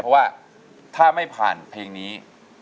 เพราะว่าถ้าไม่ผ่านเพลงนี้